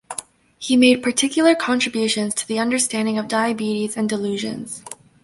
He made particular contributions to the understanding of diabetes and delusions.